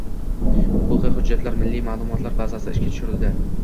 Huquqiy hujjatlar milliy ma'lumotlar bazasi ishga tushirildi.